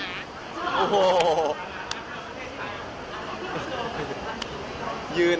โทษเย็น